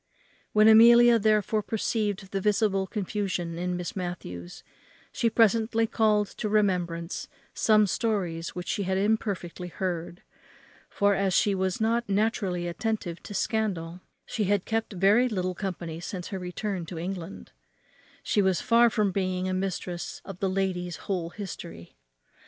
When Amelia therefore perceived the visible confusion in Miss Matthews she presently called to remembrance some stories which she had imperfectly heard; for, as she was not naturally attentive to scandal, and had kept very little company since her return to England, she was far from being a mistress of the lady's whole history.